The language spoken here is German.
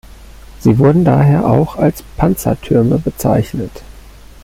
Sie wurden daher auch als "Panzertürme" bezeichnet.